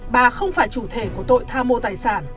bà không phải chủ thể của tội tham mô tài sản